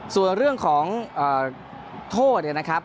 ส่วนเรื่องของโทษเนี่ยนะครับ